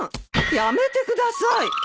やめてください。